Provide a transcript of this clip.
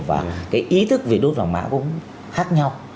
và cái ý thức vì đốt vàng mã cũng khác nhau